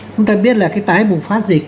chúng ta biết là cái tái bùng phát dịch